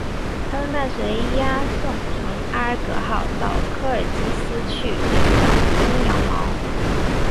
他们伴随伊阿宋乘阿尔戈号到科尔基斯去寻找金羊毛。